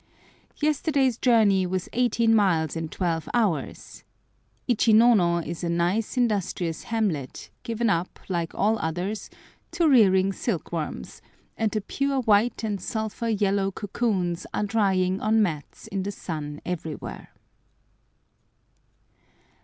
Yesterday's journey was 18 miles in twelve hours! Ichinono is a nice, industrious hamlet, given up, like all others, to rearing silk worms, and the pure white and sulphur yellow cocoons are drying on mats in the sun everywhere.